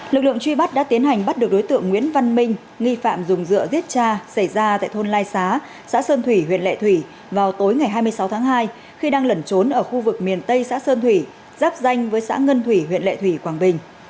lực lượng truy bắt đã tiến hành bắt được đối tượng nguyễn văn minh nghi phạm dùng dựa giết cha xảy ra tại thôn lai xá xã sơn thủy huyện lệ thủy vào tối ngày hai mươi sáu tháng hai khi đang lẩn trốn ở khu vực miền tây xã sơn thủy giáp danh với xã ngân thủy huyện lệ thủy quảng bình